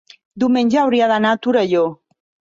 diumenge hauria d'anar a Torelló.